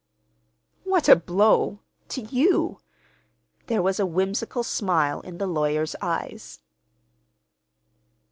"What a blow—to you!" There was a whimsical smile in the lawyer's eyes.